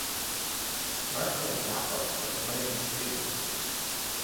Marco Zoppo was one of his students.